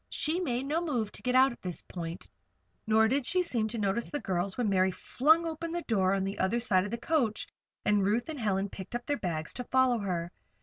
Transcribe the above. She made no move to get out at this point, nor did she seem to notice the girls when Mary flung open the door on the other side of the coach, and Ruth and Helen picked up their bags to follow her.